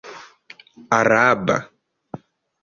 araba